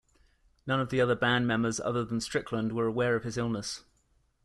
None of the other band members other than Strickland were aware of his illness.